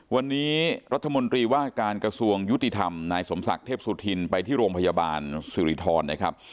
วันนี้รัฐมนตรีว่าการกระทรวงยุติธรรมนายสมศักดิ์เทพสุธินไปที่โรงพยาบาลสิริธรนะครับ